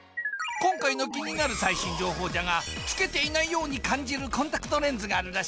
今回の気になる最新情報じゃがつけていないように感じるコンタクトレンズがあるらしい。